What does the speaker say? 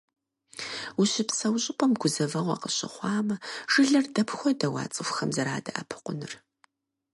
Ущыпсэу щӏыпӏэм гузэвэгъуэ къыщыхъуамэ, жылэр дапхуэдэу а цӏыхухэм зэрадэӏэпыкъур?